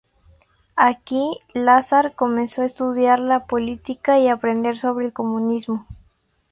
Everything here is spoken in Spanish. Aquí, Lazar comenzó a estudiar la política y aprender sobre el comunismo.